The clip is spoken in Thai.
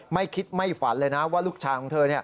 ไม่คิดไม่ฝันเลยนะว่าลูกชายของเธอ